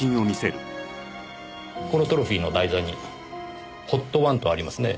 このトロフィーの台座に「ＨＯＴ１」とありますねぇ。